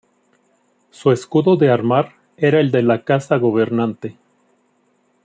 Su escudo de armar era el de la Casa gobernante.